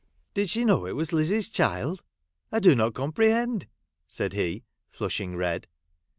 ' Did she know it was Lizzie's child ? I do not comprehend,' said he, flushing red.